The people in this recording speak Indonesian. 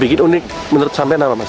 bikin unik menurut sampai nama mas